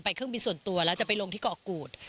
เครื่องบินส่วนตัวแล้วจะไปลงที่เกาะกูด